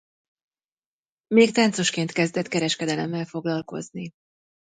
Még táncosként kezdett kereskedelemmel foglalkozni.